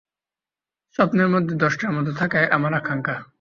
স্বপ্নের মধ্যে দ্রষ্টার মত থাকাই আমার আকাঙ্ক্ষা।